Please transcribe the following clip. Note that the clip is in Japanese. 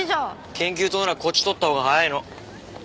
研究棟ならこっち通ったほうが早いの。